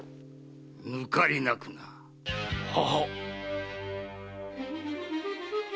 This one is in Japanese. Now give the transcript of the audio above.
抜かりなくな。ははっ。